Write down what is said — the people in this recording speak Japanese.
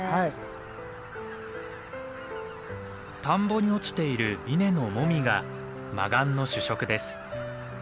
田んぼに落ちているイネのモミがマガンの主食です。